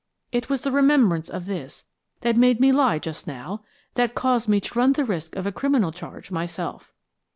It was the remembrance of this that made me lie just now, that caused me to run the risk of a criminal charge myself.